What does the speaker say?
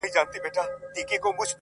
چي خبره د رښتیا سي هم ترخه سي.